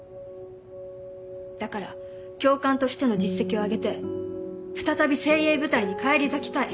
だから教官としての実績を上げて再び精鋭部隊に返り咲きたい。